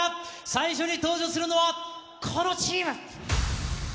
最初に登場するのはこのチーム。